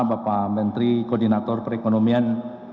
bapak menteri koordinator perekonomian